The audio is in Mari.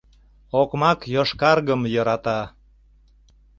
Окмак йошкаргым йӧрата